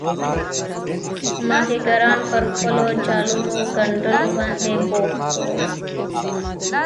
ماهیګیران پر خپلو جالونو ګنډلو باندې بوخت وو.